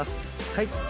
はい。